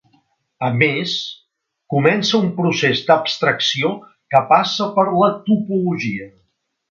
A més comença un procés d'abstracció que passa per la topologia.